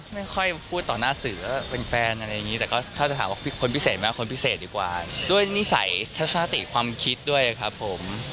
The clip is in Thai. ไม่ค่อยพูดต่อหน้าสื่อว่าเป็นแฟนอะไรอย่างนี้แต่ก็ถ้าจะถามว่าคนพิเศษไหมคนพิเศษดีกว่าด้วยนิสัยทัศนติความคิดด้วยครับผม